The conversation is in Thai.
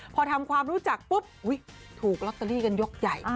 พอทำความรู้จักปุ๊บถูกลอตเตอรี่กันยกใหญ่